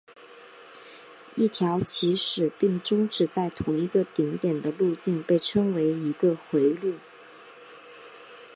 一条起始并终止在同一个顶点的路径被称为一个回路。